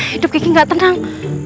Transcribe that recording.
hidup kiki gak tenang